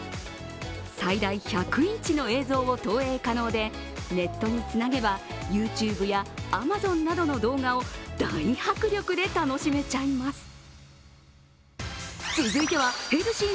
最大１００インチの映像を投影可能でネットにつなげばＹｏｕＴｕｂｅやアマゾンなどの動画を大迫力で楽しめちゃいます。